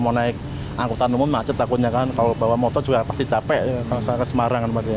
mau naik angkutan umum macet takutnya kan kalau bawa motor juga pasti capek kalau ke semarang